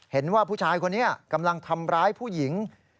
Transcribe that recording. เห็นว่าผู้ชายคนนี้กำลังทำร้ายผู้หญิง